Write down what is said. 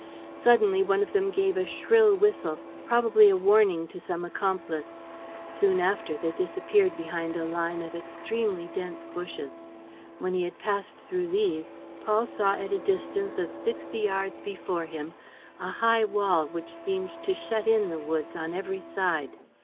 Suddenly one of them gave a shrill whistle, probably a warning to some accomplice. Soon after they disappeared behind a line of extremely dense bushes. When he had passed through these, Paul saw at a distance of sixty yards before him a high wall which seemed to shut in the woods on every side.